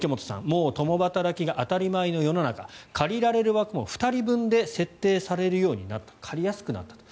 もう共働きが当たり前の世の中借りられる枠も２人分で設定されるようになった借りやすくなったと。